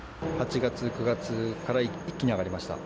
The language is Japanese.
８月、９月から一気に上がりました。